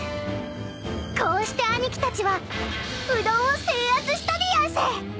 ［こうして兄貴たちは兎丼を制圧したでやんす］